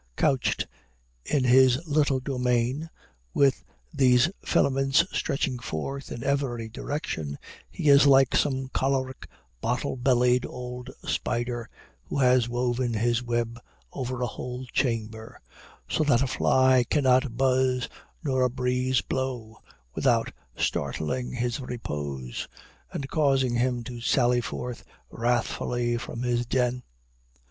Couched in his little domain, with these filaments stretching forth in every direction, he is like some choleric, bottle bellied old spider, who has woven his web over a whole chamber, so that a fly cannot buzz, nor a breeze blow, without startling his repose, and causing him to sally forth wrathfully from his den.